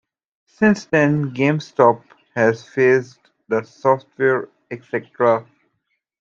Since then, GameStop has phased the Software Etc.